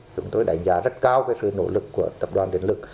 chúng tôi đánh giá rất cao sự nỗ lực của tập đoàn điện lực